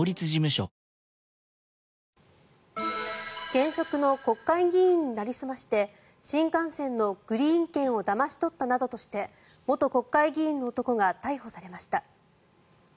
現職の国会議員になりすまして新幹線のグリーン券をだまし取ったなどとして元国会議員の男が逮捕されました。